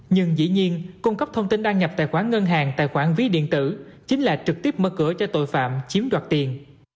nhưng dĩ nhiên cung cấp thông tin đăng nhập tài khoản ngân hàng tài khoản ví điện tử chính là trực tiếp mở cửa cho tội phạm chiếm đoạt tiền